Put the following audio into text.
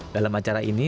dalam acara ini